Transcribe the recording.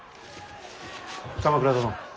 鎌倉殿。